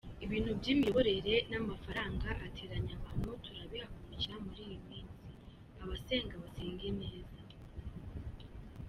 Ibintu by’imiyoborere n’amafaranga ateranya abantu turabihagurukira muri iyi minsi, abasenga basenge neza.